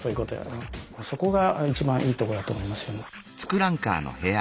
そこが一番いいとこだと思います。